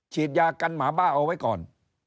ฉีดยากันหมาบ้าเอาไว้ก่อน